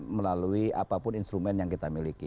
melalui apapun instrumen yang kita miliki